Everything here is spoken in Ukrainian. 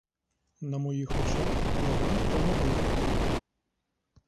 На моїх очах його ніхто не бив.